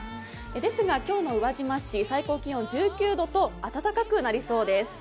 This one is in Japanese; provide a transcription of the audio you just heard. ですが、今日の宇和島市最高気温１９度と暖かくなりそうです。